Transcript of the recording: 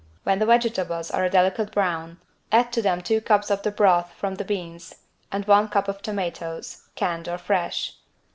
When the vegetables are a delicate brown add to them two cups of the broth from the beans and 1 cup of tomatoes (canned or fresh).